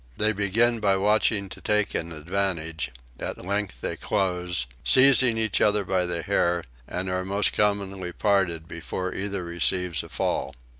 They begin by watching to take an advantage; at length they close, seize each other by the hair and are most commonly parted before either receives a fall.